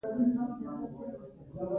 خوب د زړه مینه ښکاره کوي